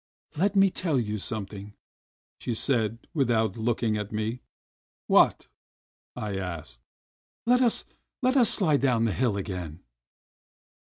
"Let me tell you something," she said, without looking at me. "What?" I asked. "Let us — let us sUde down the hill again!"